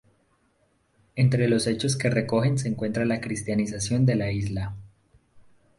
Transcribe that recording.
Entre los hechos que recogen se encuentra la cristianización de la isla.